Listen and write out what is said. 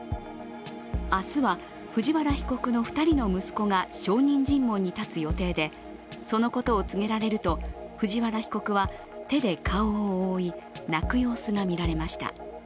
明日は藤原被告の２人の息子が証人尋問に立つ予定でそのことを告げられると藤原被告は、手で顔を覆い泣く様子が見られました。